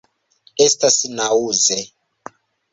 Estas naŭze.